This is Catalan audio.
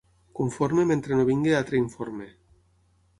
Conforme, mentre no vinga altre informe.